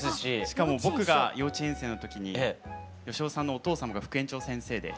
しかも僕が幼稚園生の時に芳雄さんのお父様が副園長先生で。